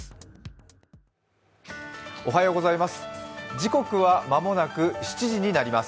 時刻は間もなく７時になります。